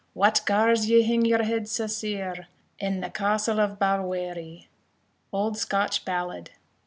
What gars ye hing your head sae sair In the castle of Balwearie? Old Scotch Ballad.